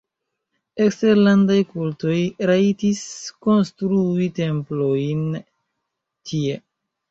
Eksterlandaj kultoj rajtis konstrui templojn tie.